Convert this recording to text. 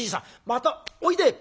またおいで！」。